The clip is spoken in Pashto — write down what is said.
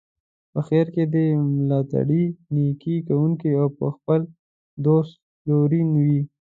په خیر کې دي ملاتړی، نیکي کوونکی او پر خپل دوست لورین وي.